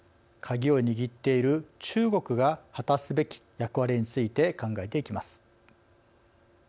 鍵を握っている中国が果たすべき役割について考えていきます。